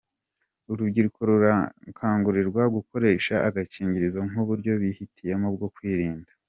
Urubyiruko rurakangurirwa gukoresha agakingirizo nk’uburyo bihitiyemo bwo kwirinda.